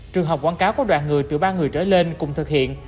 trường học quảng cáo có đoạn người từ ba người trở lên cùng thực hiện